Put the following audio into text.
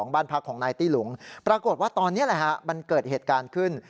บ้านพักของนายตี้หลุงปรากฏว่าตอนนี้มันเกิดเหตุการณ์ขึ้น